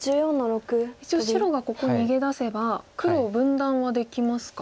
一応白がここ逃げ出せば黒を分断はできますか？